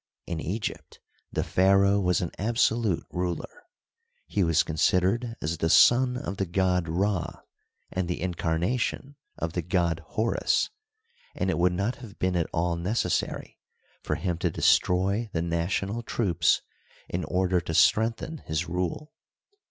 In Egypt the pharaoh was an absolute ruler ; he was considered as the son of the god Ra and the in carnation of the god Horns, and it would not have been at all necessary for him to destroy the national troops in order to strengthen his rule.